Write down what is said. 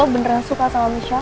lo beneran suka sama michelle